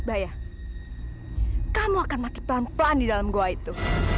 ayah kamu akan mati panjolain dalam gua itu